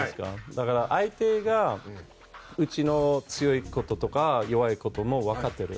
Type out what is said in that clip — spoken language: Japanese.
だから相手がうちの強いこととか弱いことも分かってる。